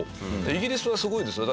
イギリスはすごいですよ。